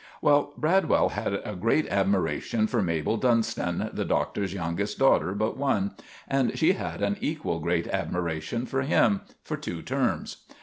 Well, Bradwell had a great admeration for Mabel Dunston, the Doctor's youngest daughter but one, and she had an equal great admeration for him, for two terms.